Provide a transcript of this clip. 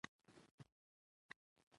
او بيا يې پۀ سترګو کړې وې سمه ده ـ